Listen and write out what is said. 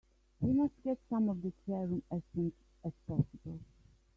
We must get some of that serum as soon as possible.